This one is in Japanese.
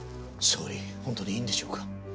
総理本当にいいんでしょうか？